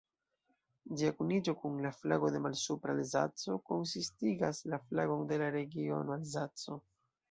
Ĝia kuniĝo kun la flago de Malsupra-Alzaco konsistigas la flagon de la regiono Alzaco.